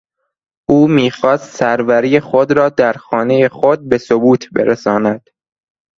او میخواست سروری خود را در خانهی خود به ثبوت برساند.